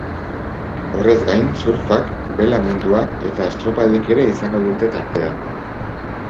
Horrez gain, surfak, bela munduak eta estropadek ere izango dute tartea.